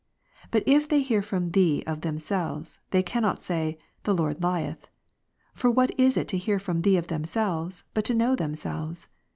But if they '^'^^' hear from Thee of themselves, they cannot say, "The Lord lieth." For what is it to hear from Thee of themselves, but to know themselves